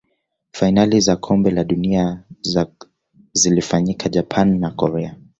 fainali za kombe la dunia za zilifanyika japan na korea kusini